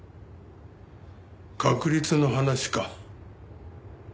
確率の話か？